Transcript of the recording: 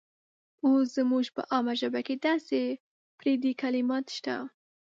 اوس زموږ په عامه ژبه کې داسې پردي کلمات شته.